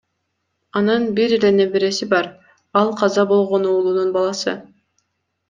Анын бир эле небереси бар, ал каза болгон уулунун баласы.